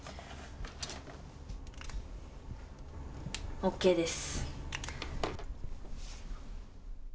ＯＫです。